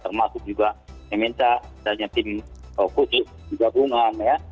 termasuk juga mnc dan tim kuj juga gunaan ya